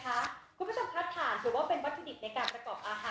คุณผู้ชมคะถามถือว่าเป็นวัตถุดิบในการประกอบอาหาร